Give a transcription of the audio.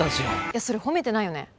いやそれ褒めてないよね。